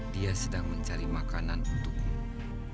dia sedang mencari makanan untukmu